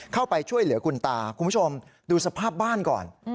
เข้าไปช่วยเหลือคุณตาคุณผู้ชมดูสภาพบ้านก่อน